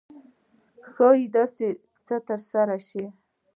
ښایي داسې څه ترسره شي.